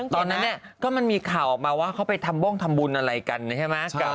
ตอนนั้นก็มันมีข่าวออกมาว่าเขาไปทำบ้งทำบุญอะไรกันใช่ไหม